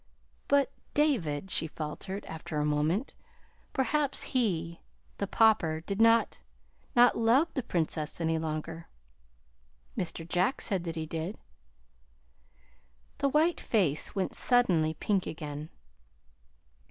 "But, David," she faltered, after a moment, "perhaps he the Pauper did not not love the Princess any longer." "Mr. Jack said that he did." The white face went suddenly pink again.